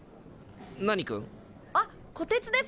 何くん？あっこてつです。